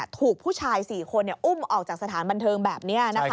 ถูกผู้ชาย๔คนอุ้มออกจากสถานบันเทิงแบบนี้